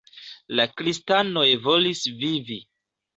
La kristanoj volis vivi.